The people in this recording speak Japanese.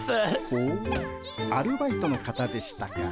ほうアルバイトの方でしたか。